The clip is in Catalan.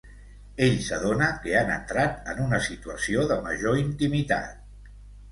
Ell s'adona que han entrat en una situació de major intimitat.